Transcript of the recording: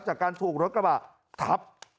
จากการถูกรถกระบะทับ